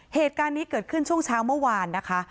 เหตุการณ์นี้เกิดขึ้นช่วงเช้าเมื่อวานนะคะ